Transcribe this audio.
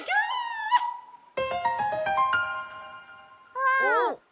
あっ。